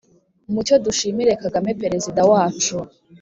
mucyo dushimire kagame perezida wacu